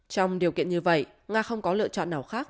trong điều kiện như vậy nga không có lựa chọn nào khác